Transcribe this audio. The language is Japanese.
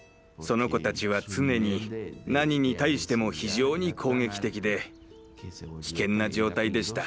その子たちは常に何に対しても非常に攻撃的で危険な状態でした。